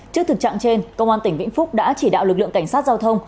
trước thực trạng trên công an tỉnh vĩnh phúc đã chỉ đạo lực lượng cảnh sát giao thông